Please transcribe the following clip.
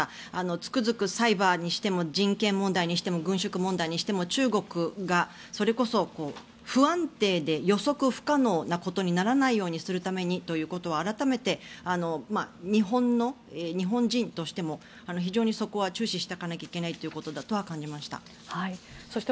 つくづくサイバーにしても人権問題にしても軍縮問題にしても中国がそれこそ不安定で予測不可能なことにならないようにするためにということを改めて日本人としても非常にそこは注視していかないといけないことだなと感じました。